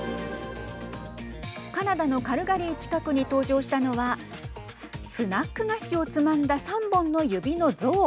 カナダのカルガリー近くに登場したのはスナック菓子をつまんだ３本の指の像。